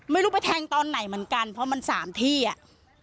ไม่รู้ไปแทงตอนไหนเหมือนกันเพราะมันสามที่อ่ะ